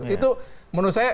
itu menurut saya